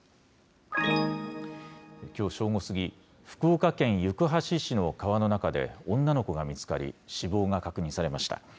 きょう正午過ぎ、福岡県行橋市の川の中で、女の子が見つかり、死亡が確認されました。